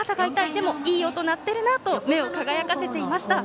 でも、いい音鳴ってるなと目を輝かせていました。